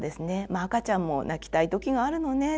「まあ赤ちゃんも泣きたい時があるのね。